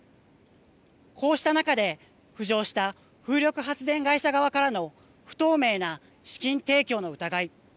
こうした中で浮上した風力発電会社側からの不透明な資金提供の疑い。